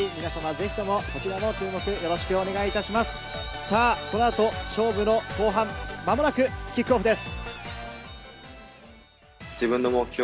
この後、勝負の後半、間もなくキックオフです。